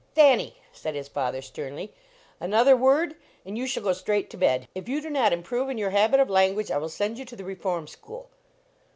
"Thanny," said his father sternly, "an other word and you shall go straight to bod ! If you do not improve in your habit of lan guage I will send you to the reform school.